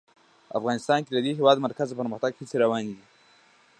افغانستان کې د د هېواد مرکز د پرمختګ هڅې روانې دي.